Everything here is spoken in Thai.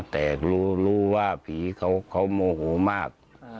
แต่รู้ว่าผีเขาโมโหมาก